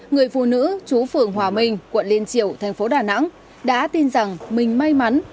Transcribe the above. người phụ nữ chú phường hòa minh quận linh triều tp đà nẵng đã tin rằng mình may mắn